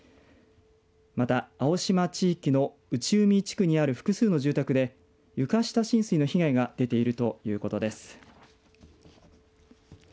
また、青島地域の内海地区にある複数の住宅で床下浸水の被害が出ているということです。